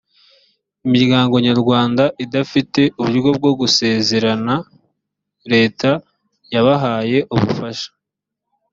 imiryango nyarwanda idafite uburyo bwo gusezerana leta yabahaye ubufasha